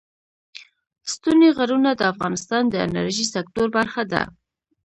ستوني غرونه د افغانستان د انرژۍ سکتور برخه ده.